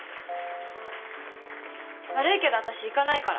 悪いけどわたし行かないから。